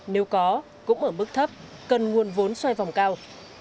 nếu có cũng ở mức thấp cần nguồn vốn xoay vòng cao